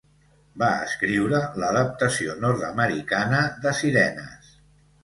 Va escriure l'adaptació nord-americana de "Sirenes".